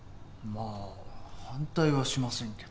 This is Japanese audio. まあ反対はしませんけど。